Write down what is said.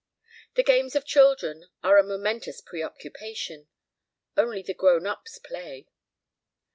The games of children are a momentous preoccupation. Only the grown ups play.